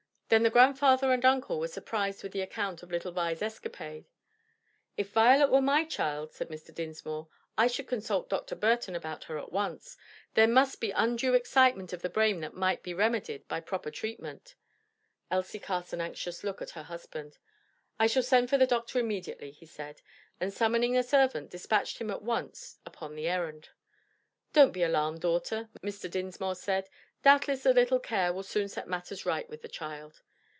Then the grandfather and uncle were surprised with an account of little Vi's escapade. "If Violet were my child," said Mr. Dinsmore, "I should consult Dr. Burton about her at once. There must be undue excitement of the brain that might be remedied by proper treatment." Elsie cast an anxious look at her husband. "I shall send for the doctor immediately," he said, and summoning a servant dispatched him at once upon the errand. "Don't be alarmed, daughter," Mr. Dinsmore said; "doubtless a little care will soon set matters right with the child."